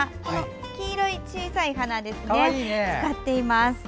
黄色い小さい花を使っています。